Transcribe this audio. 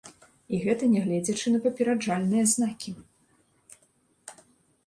І гэта нягледзячы на папераджальныя знакі.